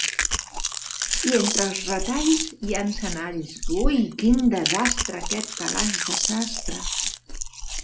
I entre els retalls hi ha encenalls. Ui! Quin desastre, aquest calaix de sastre.